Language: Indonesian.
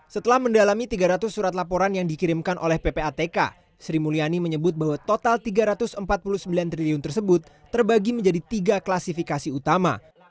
setelah mendalami tiga ratus surat laporan yang dikirimkan oleh ppatk sri mulyani menyebut bahwa total rp tiga ratus empat puluh sembilan triliun tersebut terbagi menjadi tiga klasifikasi utama